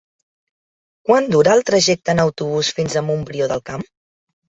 Quant dura el trajecte en autobús fins a Montbrió del Camp?